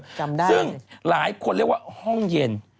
ซึ่งหลายคนเรียกว่าว่าห้องเย็น